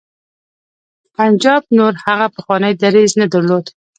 پنجاب نور هغه پخوانی دریځ نه درلود.